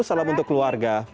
salam untuk keluarga